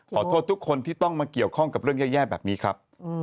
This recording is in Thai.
ขอโทษทุกคนที่ต้องมาเกี่ยวข้องกับเรื่องแย่แบบนี้ครับ